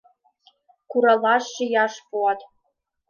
Куралаш, шияш пуат...